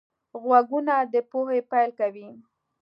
غوږونه د پوهې پیل کوي